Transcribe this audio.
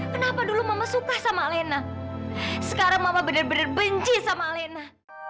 kenapa dulu mama suka sama alena sekarang mama benar benar benci sama alena